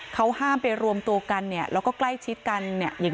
เขาห้ามไปรวมตัวกันแล้วก็ใกล้ชิดกันอย่าง